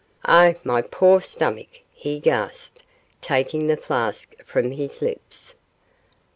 'Oh, my poor stomach,' he gasped, taking the flask from his lips.